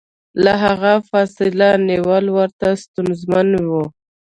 له هغه فاصله نیول ورته ستونزمن و.